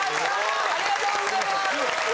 ありがとうございます！